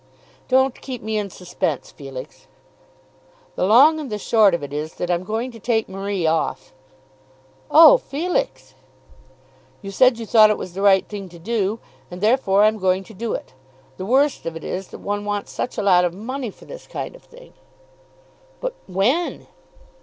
"Don't keep me in suspense, Felix." "The long and the short of it is that I'm going to take Marie off." "Oh, Felix." "You said you thought it was the right thing to do; and therefore I'm going to do it. The worst of it is that one wants such a lot of money for this kind of thing." "But when?"